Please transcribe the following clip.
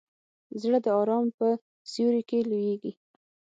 زړه د ارام په سیوري کې لویېږي.